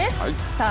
さあ